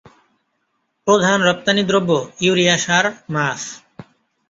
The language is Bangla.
প্রধান রপ্তানিদ্রব্য ইউরিয়া সার, মাছ।